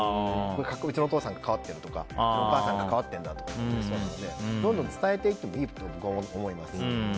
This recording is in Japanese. うちのお父さんが関わってるとかこれは、お母さんが関わってるんだとかうれしそうなのでどんどん伝えていっていいと僕は思います。